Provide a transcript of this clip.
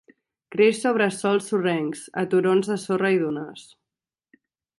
Creix sobre sòls sorrencs, a turons de sorra i dunes.